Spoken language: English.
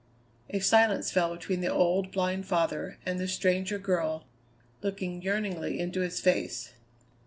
'" A silence fell between the old, blind father and the stranger girl looking yearningly into his face.